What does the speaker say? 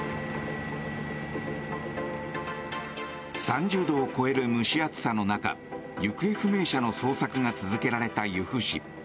３０度を超える蒸し暑さの中行方不明者の捜索が続けられた由布市。